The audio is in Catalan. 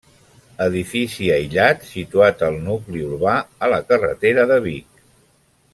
Edifici aïllat, situat al nucli urbà, a la carretera de Vic.